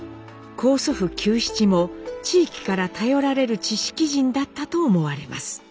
高祖父久七も地域から頼られる知識人だったと思われます。